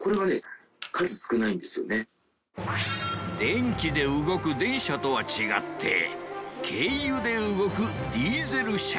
電気で動く電車とは違って軽油で動くディーゼル車。